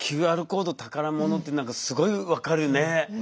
あのＱＲコード宝物って何かすごい分かるね。